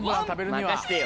任せてよ。